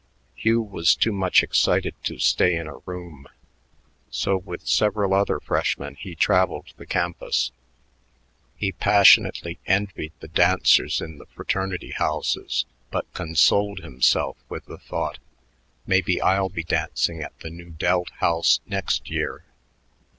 Hugh was too much excited to stay in a room; so with several other freshmen he traveled the campus. He passionately envied the dancers in the fraternity houses but consoled himself with the thought, "Maybe I'll be dancing at the Nu Delt house next year."